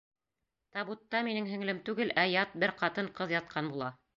Табутта минең һеңлем түгел, ә ят бер ҡатын-ҡыҙ ятҡан була!